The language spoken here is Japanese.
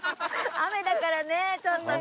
雨だからねちょっとね。